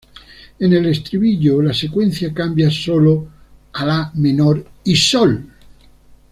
En el estribillo, la secuencia cambia solo a la menor y sol.